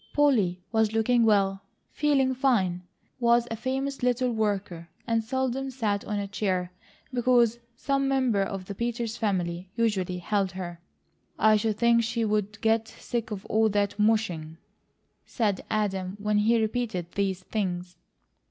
Polly was looking well, feeling fine, was a famous little worker, and seldom sat on a chair because some member of the Peters family usually held her. "I should think she would get sick of all that mushing," said Adam when he repeated these things.